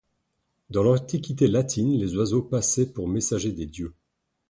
Dans l'Antiquité latine, les oiseaux passaient pour messagers des dieux.